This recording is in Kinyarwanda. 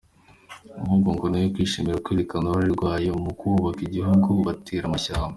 Ahubwo ngo nayo yishimira kwerekana uruhare rwayo mu kubaka igihugu batera amashyamba.